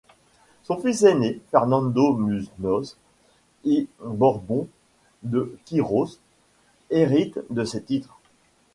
Son fils aîné, Fernando Muñoz y Borbón de Quirós, hérite de ses titres.